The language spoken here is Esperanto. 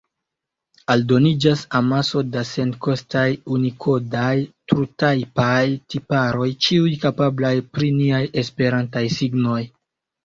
Aldoniĝas amaso da senkostaj unikodaj trutajpaj tiparoj, ĉiuj kapablaj pri niaj esperantaj signoj.